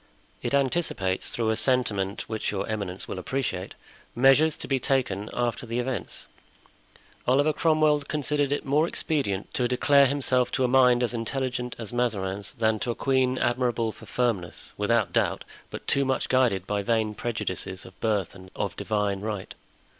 It anticipates, through a sentiment which your eminence will appreciate, measures to be taken after the events. Oliver Cromwell considered it more expedient to declare himself to a mind as intelligent as Mazarin's than to a queen admirable for firmness, without doubt, but too much guided by vain prejudices of birth and of divine right.